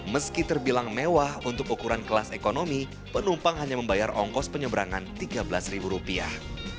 meski terbilang mewah untuk ukuran kelas ekonomi penumpang hanya membayar ongkos penyeberangan tiga belas ribu rupiah